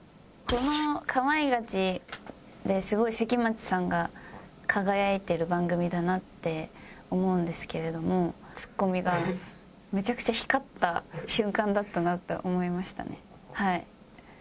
この『かまいガチ』ですごい関町さんが輝いてる番組だなって思うんですけれどもツッコミがめちゃくちゃ光った瞬間だったなと思いましたね。